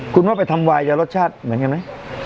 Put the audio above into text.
คุณว่าไปทำวายจะรสชาติเหมือนกันไหม